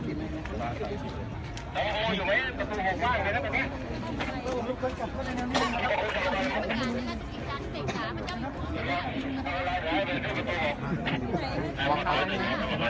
มีผู้ที่ได้รับบาดเจ็บและถูกนำตัวส่งโรงพยาบาลเป็นผู้หญิงวัยกลางคน